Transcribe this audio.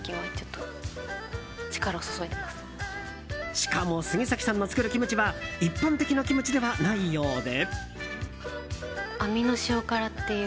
しかも杉咲さんの作るキムチは一般的なキムチではないようで。